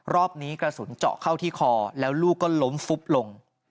รอบนี้กระสุนเจาะเข้าที่คอแล้วลูกก็ล้มฟุบลง